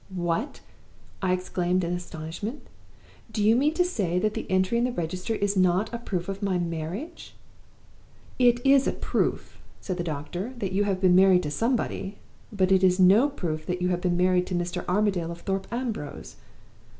"'What!' I exclaimed, in astonishment. 'Do you mean to say that the entry in the register is not a proof of my marriage?' "'It is a proof,' said the doctor, 'that you have been married to somebody. But it is no proof that you have been married to Mr. Armadale of Thorpe Ambrose.